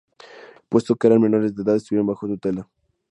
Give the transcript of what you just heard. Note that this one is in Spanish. Puesto que eran menores de edad, estuvieron bajo tutela.